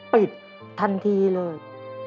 ปิดทันทีเลย